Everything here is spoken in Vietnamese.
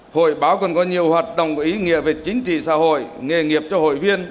hội báo còn có nhiều hoạt động có ý nghĩa về chính trị xã hội nghề nghiệp cho hội viên